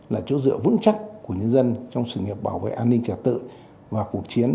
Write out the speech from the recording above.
là chỗ dựa vững chắc của nhân dân trong sự nghiệp bảo vệ an ninh trật tự và cuộc chiến